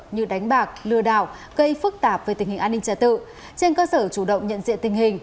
như đánh bạc lừa đảo gây phức tạp về tình hình an ninh trả tự trên cơ sở chủ động nhận diện tình hình